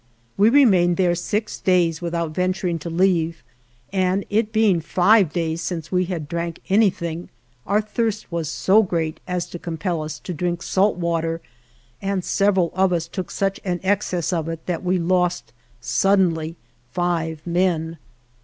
We remained there six days without venturing to leave, and it be ing five days since we had drank anything our thirst was so great as to compel us to drink salt water, and several of us took such an excess of it that we lost suddenly five men.